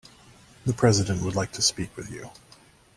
The President would like to speak with you.